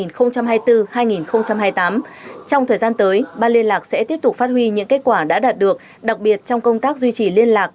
trong thời gian tới ban liên lạc sẽ tiếp tục phát huy những kết quả đã đạt được đặc biệt trong công tác duy trì liên lạc